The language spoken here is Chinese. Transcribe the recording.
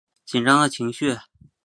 紧张的情绪